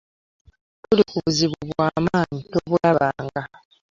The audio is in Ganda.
Tuli ku buzibu bwa maanyi tobulabanga.